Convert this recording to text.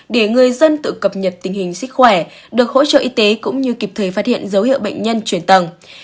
để người dân tự cập nhật tình hình sức khỏe được hỗ trợ y tế cũng như kịp thời phát hiện dấu hiệu bệnh nhân chuyển tầng